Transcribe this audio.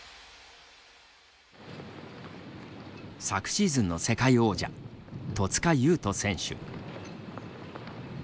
昨シーズンの世界王者戸塚優斗選手。